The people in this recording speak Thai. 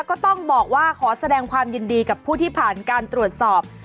ก็ต้องบอกว่าขอแสดงความยินดีกับผู้ที่ผ่านการตรวจสอบ